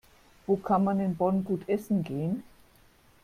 Wo kann man in Bonn gut essen gehen?